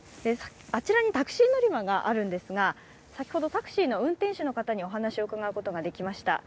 あちらにタクシー乗り場があるんですが、先ほどタクシーの運転手の方にお話を伺うことができました。